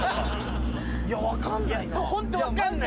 いや分かんないな。